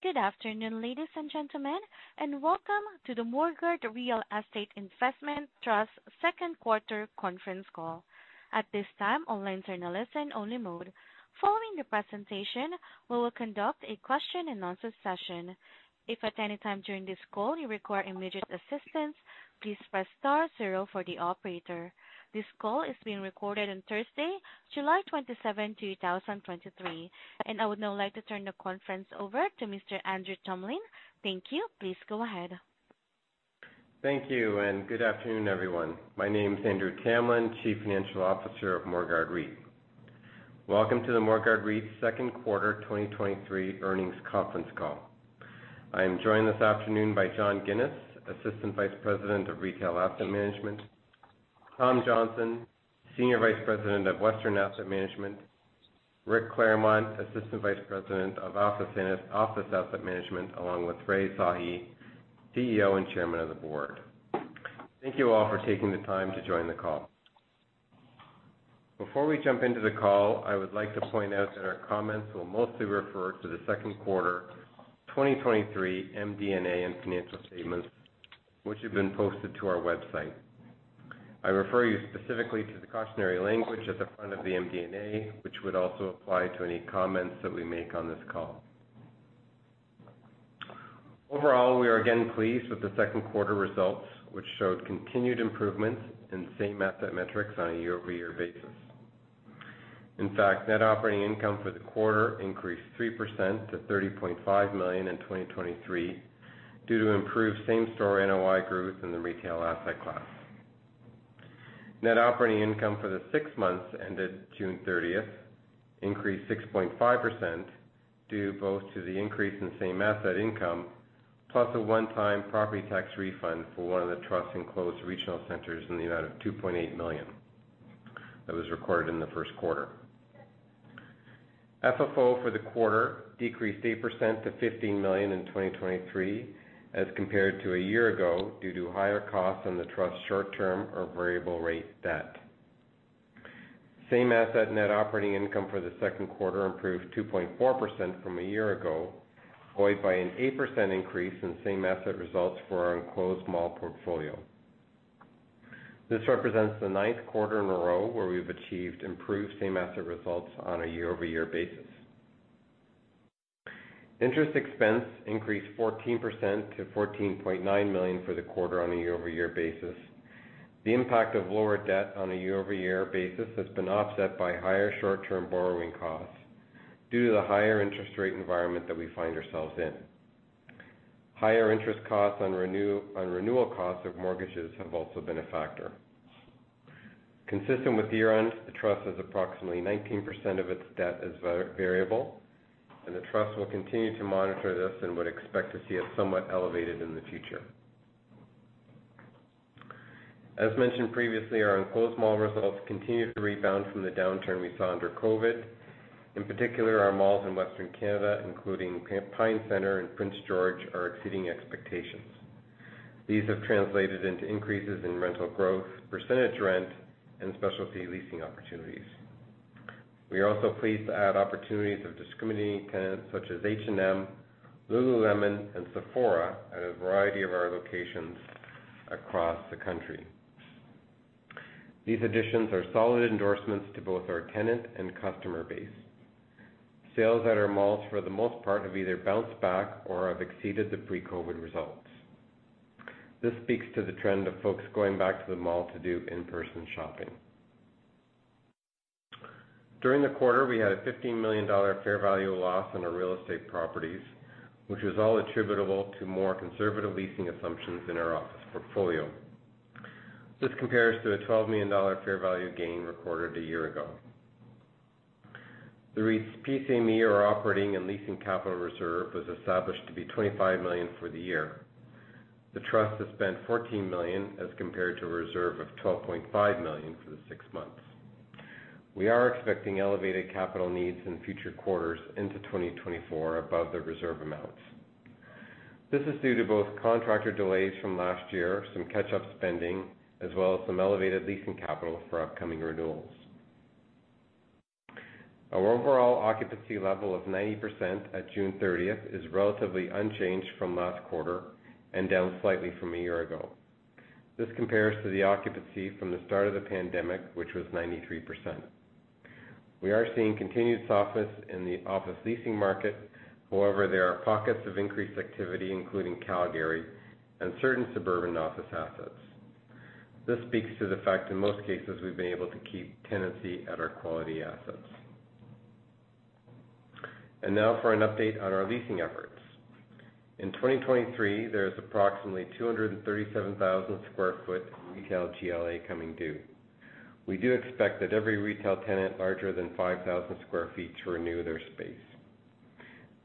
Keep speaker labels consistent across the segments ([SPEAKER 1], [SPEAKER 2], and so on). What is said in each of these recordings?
[SPEAKER 1] Good afternoon, ladies and gentlemen, welcome to the Morguard Real Estate Investment Trust Q2 conference call. At this time, all lines are in a listen-only mode. Following the presentation, we will conduct a question-and-answer session. If at any time during this call you require immediate assistance, please press star zero for the operator. This call is being recorded on Thursday, July 27th, 2023, and I would now like to turn the conference over to Mr. Andrew Tamlin. Thank you. Please go ahead.
[SPEAKER 2] Thank you, and good afternoon, everyone. My name is Andrew Tamlin, Chief Financial Officer of Morguard REIT. Welcome to the Morguard REIT Q2 2023 earnings conference call. I am joined this afternoon by John Ginis, Assistant Vice President of Retail Asset Management; Tom Johnston, Senior Vice President of Western Asset Management; Rick Clermont, Assistant Vice President, Office Asset Management, along with Rai Sahi, CEO and Chairman of the Board. Thank you all for taking the time to join the call. Before we jump into the call, I would like to point out that our comments will mostly refer to the Q2 2023 MD&A and financial statements, which have been posted to our website. I refer you specifically to the cautionary language at the front of the MD&A, which would also apply to any comments that we make on this call. Overall, we are again pleased with the Q2 results, which showed continued improvements in same asset metrics on a year-over-year basis. In fact, Net Operating Income for the quarter increased 3% to 30.5 million in 2023, due to improved same-store NOI growth in the retail asset class. Net Operating Income for the six months ended June 30th increased 6.5%, due both to the increase in same asset income, plus a one-time property tax refund for one of the Trust-enclosed regional centers in the amount of 2.8 million. That was recorded in the Q1. FFO for the quarter decreased 8% to 15 million in 2023, as compared to a year ago, due to higher costs on the Trust's short-term or variable rate debt. Same asset net operating income for the Q2 improved 2.4% from a year ago, buoyed by an 8% increase in same asset results for our enclosed mall portfolio. This represents the ninth quarter in a row where we've achieved improved same asset results on a year-over-year basis. Interest expense increased 14% to 14.9 million for the quarter on a year-over-year basis. The impact of lower debt on a year-over-year basis has been offset by higher short-term borrowing costs due to the higher interest rate environment that we find ourselves in. Higher interest costs on renewal costs of mortgages have also been a factor. Consistent with year-end, the trust is approximately 19% of its debt is variable. The trust will continue to monitor this and would expect to see it somewhat elevated in the future. As mentioned previously, our enclosed mall results continue to rebound from the downturn we saw under COVID. In particular, our malls in Western Canada, including Pine Centre and Prince George, are exceeding expectations. These have translated into increases in rental growth, percentage rent, and specialty leasing opportunities. We are also pleased to add opportunities of discriminating tenants such as H&M, Lululemon, and Sephora at a variety of our locations across the country. These additions are solid endorsements to both our tenant and customer base. Sales at our malls, for the most part, have either bounced back or have exceeded the pre-COVID results. This speaks to the trend of folks going back to the mall to do in-person shopping. During the quarter, we had a 15 million dollar fair value loss in our real estate properties, which was all attributable to more conservative leasing assumptions in our office portfolio. This compares to a 12 million dollar fair value gain recorded a year ago. The REIT's PCME, or operating and leasing capital reserve, was established to be 25 million for the year. The trust has spent 14 million, as compared to a reserve of 12.5 million for the 6 months. We are expecting elevated capital needs in future quarters into 2024 above the reserve amounts. This is due to both contractor delays from last year, some catch-up spending, as well as some elevated leasing capital for upcoming renewals. Our overall occupancy level of 90% at June 30th is relatively unchanged from last quarter and down slightly from a year ago. This compares to the occupancy from the start of the pandemic, which was 93%. We are seeing continued softness in the office leasing market. However, there are pockets of increased activity, including Calgary and certain suburban office assets. This speaks to the fact in most cases, we've been able to keep tenancy at our quality assets. Now for an update on our leasing efforts. In 2023, there is approximately 237,000 sq ft retail GLA coming due. We do expect that every retail tenant larger than 5,000 sq ft to renew their space.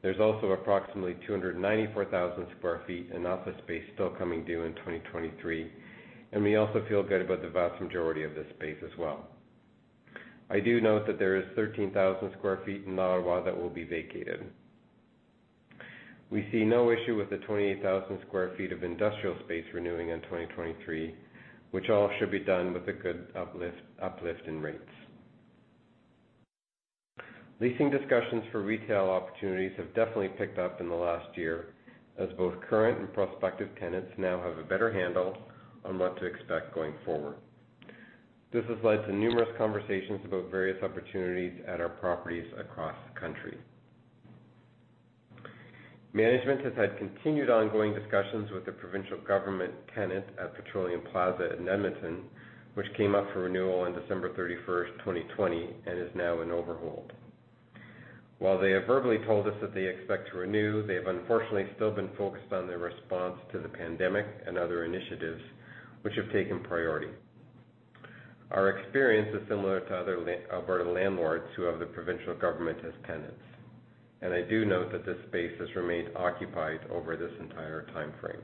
[SPEAKER 2] There's also approximately 294,000 sq ft in office space still coming due in 2023. We also feel good about the vast majority of this space as well. I do note that there is 13,000 sq ft in Ottawa that will be vacated. We see no issue with the 28,000 sq ft of industrial space renewing in 2023, which all should be done with a good uplift in rates. Leasing discussions for retail opportunities have definitely picked up in the last year, as both current and prospective tenants now have a better handle on what to expect going forward. This has led to numerous conversations about various opportunities at our properties across the country. Management has had continued ongoing discussions with the provincial government tenant at Petroleum Plaza in Edmonton, which came up for renewal on December 31, 2020, and is now in overhold. While they have verbally told us that they expect to renew, they have unfortunately still been focused on their response to the pandemic and other initiatives which have taken priority. Our experience is similar to other land- Alberta landlords who have the provincial government as tenants. I do note that this space has remained occupied over this entire time frame.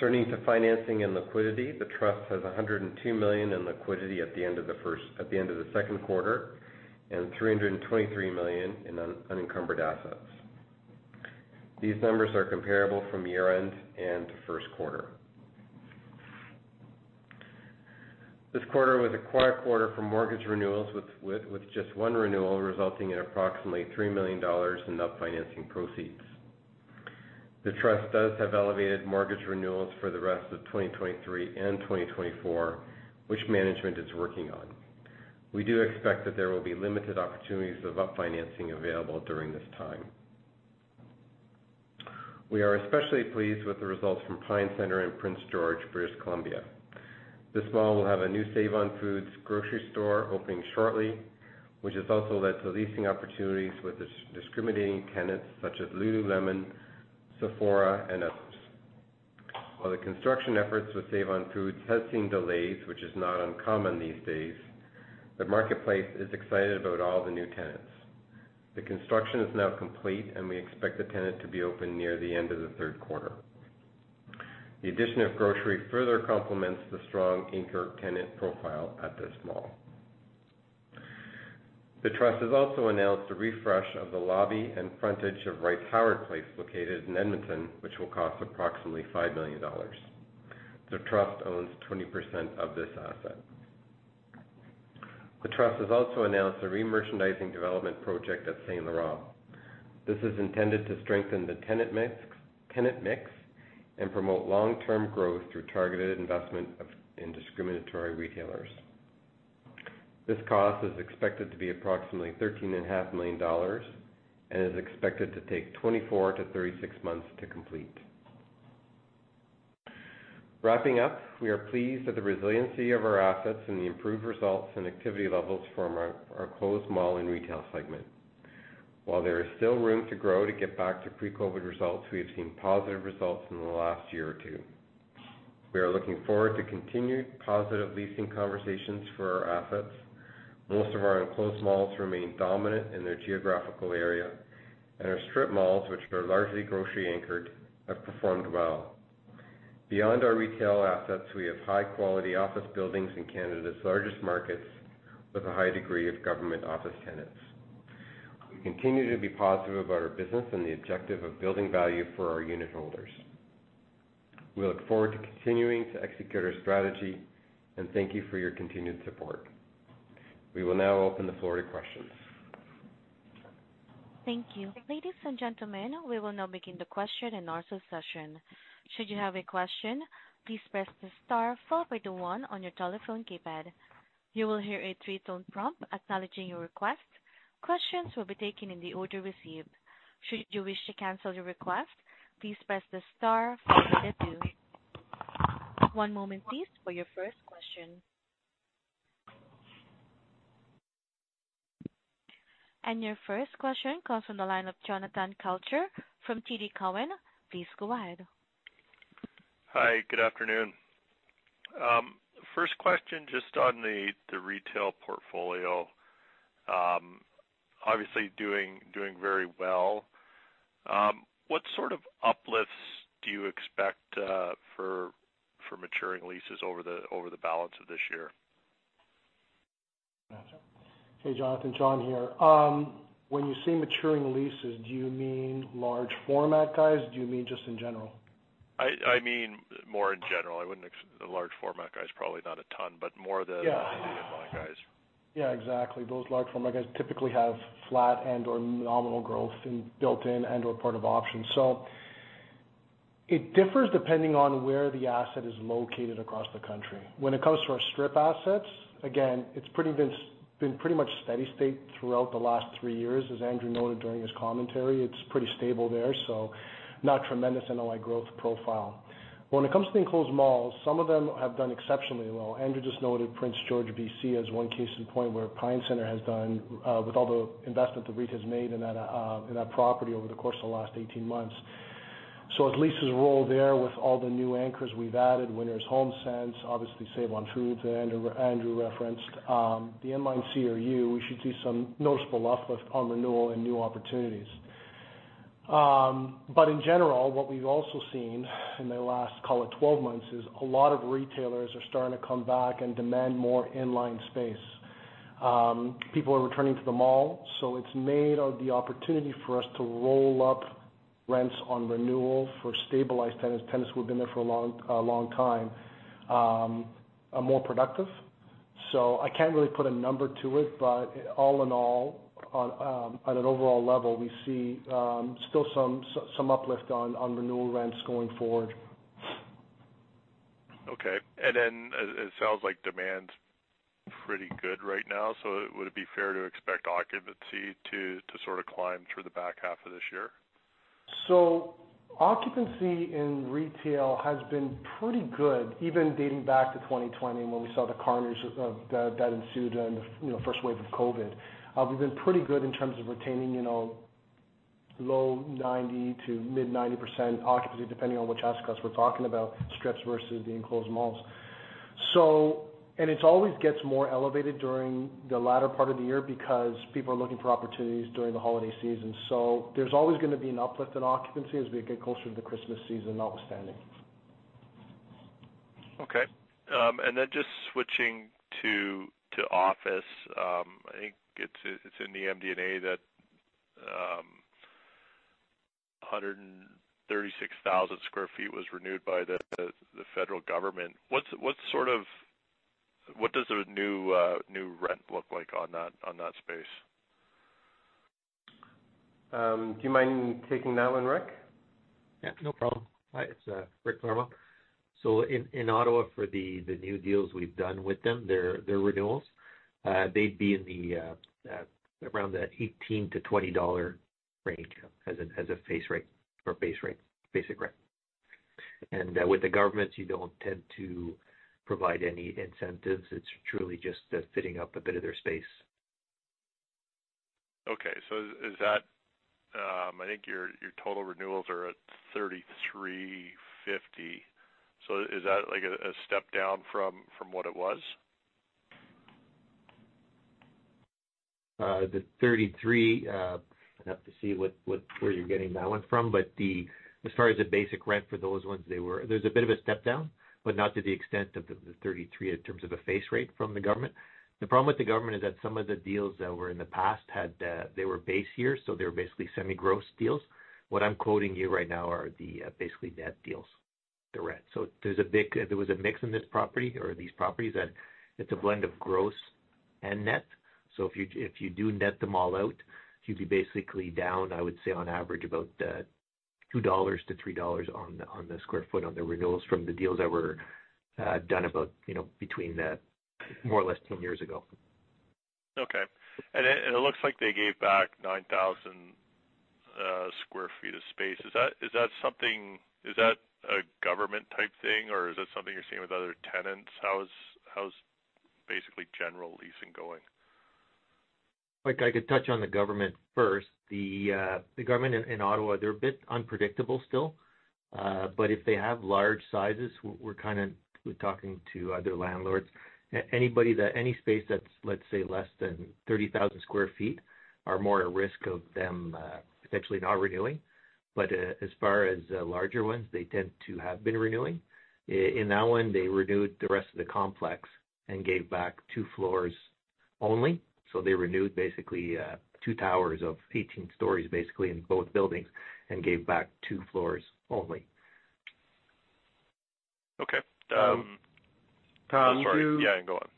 [SPEAKER 2] Turning to financing and liquidity, the trust has 102 million in liquidity at the end of the Q2, and 323 million in unencumbered assets. These numbers are comparable from year-end and Q1. This quarter was a quiet quarter for mortgage renewals, with just one renewal, resulting in approximately 3 million dollars in up financing proceeds. The trust does have elevated mortgage renewals for the rest of 2023 and 2024, which management is working on. We do expect that there will be limited opportunities of up financing available during this time. We are especially pleased with the results from Pine Centre in Prince George, British Columbia. This mall will have a new Save-On-Foods grocery store opening shortly, which has also led to leasing opportunities with discriminating tenants such as Lululemon, Sephora, and others. While the construction efforts with Save-On-Foods has seen delays, which is not uncommon these days, the marketplace is excited about all the new tenants. The construction is now complete, we expect the tenant to be open near the end of the Q3. The addition of grocery further complements the strong anchor tenant profile at this mall. The trust has also announced a refresh of the lobby and frontage of Rice Howard Place, located in Edmonton, which will cost approximately $5 million. The trust owns 20% of this asset. The trust has also announced a remerchandising development project at Saint Laurent. This is intended to strengthen the tenant mix and promote long-term growth through targeted investment in discriminatory retailers. This cost is expected to be approximately thirteen and a half million dollars and is expected to take 24 to 36 months to complete. Wrapping up, we are pleased at the resiliency of our assets and the improved results and activity levels from our closed mall and retail segment. While there is still room to grow to get back to pre-COVID results, we have seen positive results in the last year or 2. We are looking forward to continued positive leasing conversations for our assets. Most of our enclosed malls remain dominant in their geographical area, and our strip malls, which are largely grocery anchored, have performed well. Beyond our retail assets, we have high-quality office buildings in Canada's largest markets, with a high degree of government office tenants. We continue to be positive about our business and the objective of building value for our unitholders. We look forward to continuing to execute our strategy. Thank you for your continued support. We will now open the floor to questions.
[SPEAKER 1] Thank you. Ladies and gentlemen, we will now begin the question and answer session. Should you have a question, please press the star followed by the one on your telephone keypad. You will hear a three-tone prompt acknowledging your request. Questions will be taken in the order received. Should you wish to cancel your request, please press the star followed by the two. One moment, please, for your first question. Your first question comes from the line of Jonathan Kelcher from TD Cowen. Please go ahead.
[SPEAKER 3] Hi, good afternoon. First question, just on the retail portfolio. Obviously doing very well. What sort of uplifts do you expect for maturing leases over the balance of this year?
[SPEAKER 4] Hey, Jonathan, John here. When you say maturing leases, do you mean large format guys, or do you mean just in general?
[SPEAKER 3] I mean, more in general. I wouldn't the large format guys, probably not a ton, but more.
[SPEAKER 4] Yeah.
[SPEAKER 3] In-line guys.
[SPEAKER 4] Yeah, exactly. Those large format guys typically have flat and/or nominal growth in built-in and/or part of options. It differs depending on where the asset is located across the country. When it comes to our strip assets, again, it's pretty much steady state throughout the last 3 years. As Andrew noted during his commentary, it's pretty stable there, so not tremendous NOI growth profile. When it comes to enclosed malls, some of them have done exceptionally well. Andrew just noted Prince George, BC, as one case in point, where Pine Centre has done with all the investment the REIT has made in that property over the course of the last 18 months. As leases roll there, with all the new anchors we've added, Winners, HomeSense, obviously, Save-On-Foods, that Andrew referenced, the in-line CRU, we should see some noticeable uplift on renewal and new opportunities. In general, what we've also seen in the last, call it, 12 months, is a lot of retailers are starting to come back and demand more in-line space. People are returning to the mall, it's made of the opportunity for us to roll up rents on renewal for stabilized tenants, tenants who have been there for a long time, are more productive. I can't really put a number to it, all in all, on an overall level, we see still some uplift on renewal rents going forward.
[SPEAKER 3] Okay. It sounds like demand's pretty good right now, so would it be fair to expect occupancy to sort of climb through the back half of this year?
[SPEAKER 4] Occupancy in retail has been pretty good, even dating back to 2020, when we saw the carnage that ensued in the, you know, first wave of COVID. We've been pretty good in terms of retaining, you know, low 90% to mid 90% occupancy, depending on which asset class we're talking about, strips versus the enclosed malls. It's always gets more elevated during the latter part of the year because people are looking for opportunities during the holiday season. There's always going to be an uplift in occupancy as we get closer to the Christmas season, notwithstanding.
[SPEAKER 3] Okay. Just switching to office, I think it's in the MD&A that 136,000 sq ft was renewed by the federal government. What's what does the new rent look like on that space?
[SPEAKER 2] Do you mind taking that one, Rick?
[SPEAKER 5] Yeah, no problem. Hi, it's Rick Clermont. In Ottawa, for the new deals we've done with them, they're renewals. They'd be in the around the $18-$20 range as a face rate or base rate, basic rate. With the government, you don't tend to provide any incentives. It's truly just fitting up a bit of their space.
[SPEAKER 3] Okay. I think your total renewals are at 33.50. Is that like a step down from what it was?
[SPEAKER 5] The 33, I'd have to see what, where you're getting that one from. As far as the basic rent for those ones, there's a bit of a step down, but not to the extent of the 33 in terms of a face rate from the government. The problem with the government is that some of the deals that were in the past had, they were base year, so they were basically semi-gross deals. What I'm quoting you right now are the basically net deals, the rent. There was a mix in this property or these properties, that it's a blend of gross and net. If you do net them all out, you'd be basically down, I would say, on average, about 2-3 dollars on the square foot, on the renewals from the deals that were done about, you know, between more or less 10 years ago.
[SPEAKER 3] Okay. It looks like they gave back 9,000 sq ft of space. Is that a government type thing, or is that something you're seeing with other tenants? How is basically general leasing going?
[SPEAKER 5] Like, I could touch on the government first. The government in Ottawa, they're a bit unpredictable still, if they have large sizes, we're kind of talking to other landlords. Anybody that, any space that's, let's say, less than 30,000 sq ft, are more at risk of them, potentially not renewing. As far as larger ones, they tend to have been renewing. In that one, they renewed the rest of the complex and gave back 2 floors only. They renewed basically, 2 towers of 18 stories, basically in both buildings, and gave back 2 floors only.
[SPEAKER 3] Okay.
[SPEAKER 2] Tom,
[SPEAKER 3] Yeah, go on.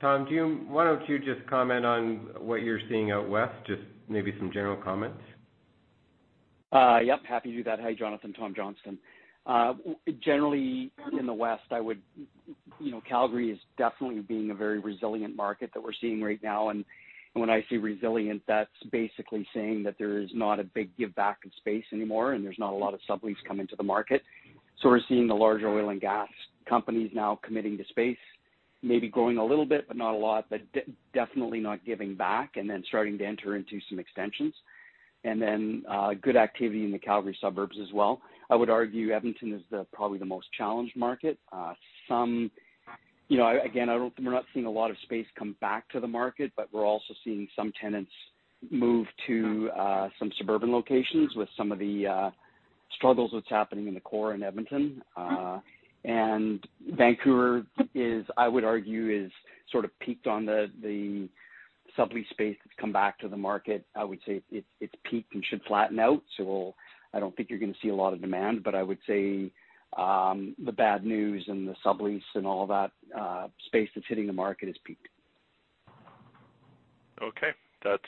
[SPEAKER 2] Tom, Why don't you just comment on what you're seeing out west? Just maybe some general comments.
[SPEAKER 6] Yep, happy to do that. Hi, Jonathan. Tom Johnston. Generally, in the West, I would, Calgary is definitely being a very resilient market that we're seeing right now. When I say resilient, that's basically saying that there is not a big give back of space anymore, and there's not a lot of sublease coming to the market. We're seeing the larger oil and gas companies now committing to space, maybe growing a little bit, but not a lot, but definitely not giving back and then starting to enter into some extensions. Good activity in the Calgary suburbs as well. I would argue Edmonton is the, probably the most challenged market. Some, you know, again, we're not seeing a lot of space come back to the market, but we're also seeing some tenants move to some suburban locations with some of the struggles that's happening in the core in Edmonton. Vancouver is, I would argue, is sort of peaked on the sublease space that's come back to the market. I would say it's peaked and should flatten out. I don't think you're going to see a lot of demand, but I would say the bad news and the sublease and all that space that's hitting the market has peaked.
[SPEAKER 3] Okay. That's,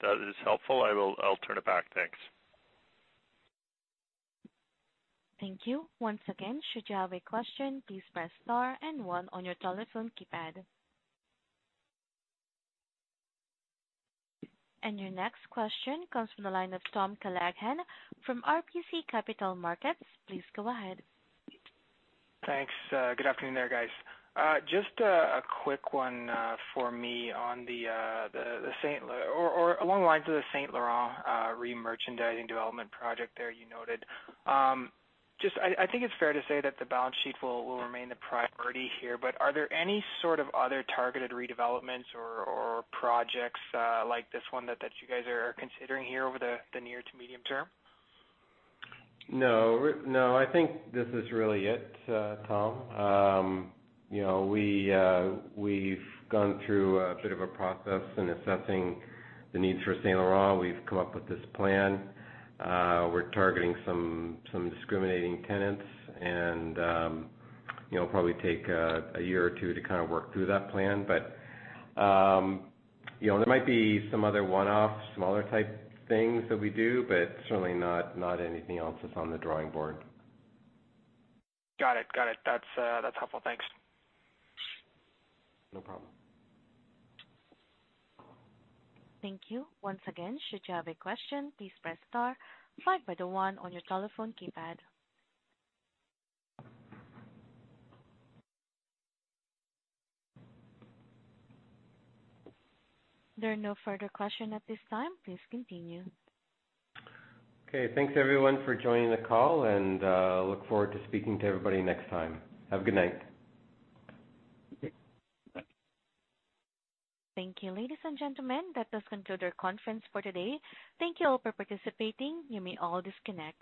[SPEAKER 3] that is helpful. I will, I'll turn it back. Thanks.
[SPEAKER 1] Thank you. Once again, should you have a question, please press Star and 1 on your telephone keypad. Your next question comes from the line of Tom Callaghan from RBC Capital Markets. Please go ahead.
[SPEAKER 7] Thanks. Good afternoon there, guys. Just a quick one for me on the along the lines of the Saint Laurent re-merchandising development project there, you noted. Just I think it's fair to say that the balance sheet will remain the priority here, but are there any sort of other targeted redevelopments or projects like this one that you guys are considering here over the near to medium term?
[SPEAKER 2] No. No, I think this is really it, Tom. You know, we, we've gone through a bit of a process in assessing the needs for Saint Laurent. We've come up with this plan. We're targeting some discriminating tenants and, you know, probably take a year or two to kind of work through that plan. You know, there might be some other one-offs, smaller type things that we do, but certainly not anything else that's on the drawing board.
[SPEAKER 7] Got it. Got it. That's, that's helpful. Thanks.
[SPEAKER 2] No problem.
[SPEAKER 1] Thank you. Once again, should you have a question, please press Star 5 by the 1 on your telephone keypad. There are no further question at this time. Please continue.
[SPEAKER 2] Okay, thanks, everyone, for joining the call, and look forward to speaking to everybody next time. Have a good night.
[SPEAKER 1] Thank you. Ladies and gentlemen, that does conclude our conference for today. Thank you all for participating. You may all disconnect.